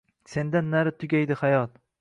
Sendan nari tugaydi hayot